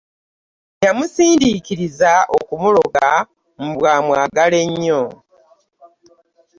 Yamusindikiriza okumuloga mbu amwagale nnyo.